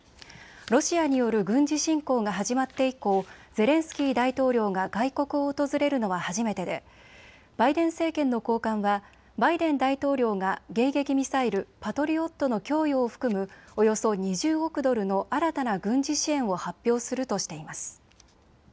ロシアによる軍事侵攻が始まって以降、ゼレンスキー大統領が外国を訪れるのは初めてでバイデン政権の高官はバイデン大統領が迎撃ミサイル、パトリオットの供与を含むおよそ２０億ドルの新たな軍事支援を発表するとしています。